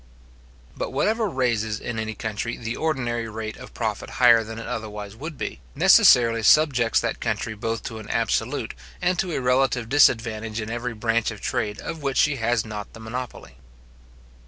But whatever raises, in any country, the ordinary rate of profit higher than it otherwise would be, necessarily subjects that country both to an absolute, and to a relative disadvantage in every branch of trade of which she has not the monopoly.